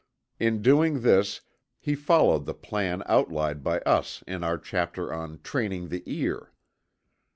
In doing this he followed the plan outlined by us in our chapter on "Training the Ear."